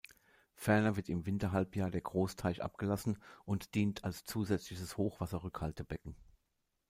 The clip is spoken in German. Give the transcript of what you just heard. Ferner wird im Winterhalbjahr der Großteich abgelassen und dient als zusätzliches Hochwasserrückhaltebecken.